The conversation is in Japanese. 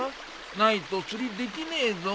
ないと釣りできねえぞ。